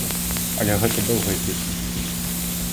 Але гэта доўгая песня.